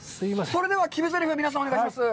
それでは、決めぜりふ、皆さん、お願いします。